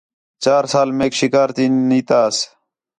چار سال میک شِکار تی نی تاس